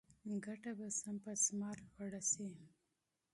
ګټه به په تدریجي ډول لوړه شي.